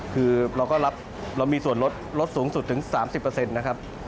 คือเรามีส่วนลดสูงสุดถึง๓๐นะครับ